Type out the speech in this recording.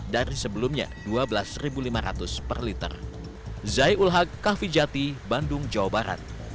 dari sebelumnya rp dua belas lima ratus per liter